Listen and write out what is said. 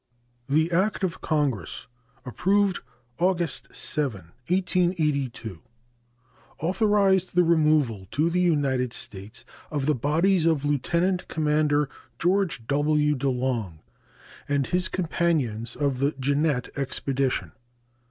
The act of Congress approved August 7, 1882, authorized the removal to the United States of the bodies of Lieutenant Commander George W. De Long and his companions of the Jeannette expedition.